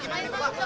sebentar aja pak